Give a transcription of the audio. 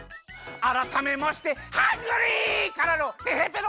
あらためましてハングリー！からのてへぺろ！